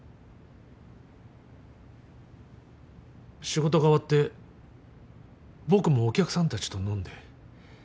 仕事が終わって僕もお客さんたちと飲んで。